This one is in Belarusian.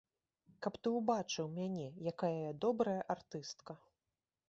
Каб ты ўбачыў мяне, якая я добрая артыстка.